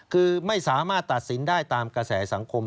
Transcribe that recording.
คือไม่สามารถตัดสินได้ตามกระแสสังคม